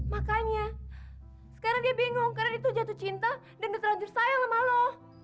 makanya sekarang dia bingung karena dia tuh jatuh cinta dan udah terlanjur sayang sama lo